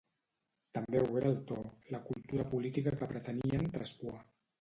També ho era el to, la cultura política que pretenien traspuar.